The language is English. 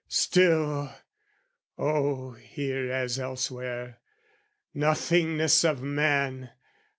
Still (Oh, here as elsewhere, nothingness of man!)